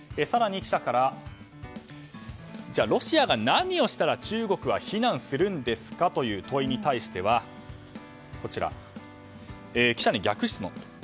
更に記者からじゃあロシアが何をしたら中国は非難するんですかという問いに対しては、記者に逆質問。